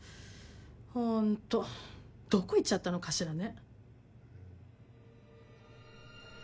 ほんとどこ行っちゃったのかしらね。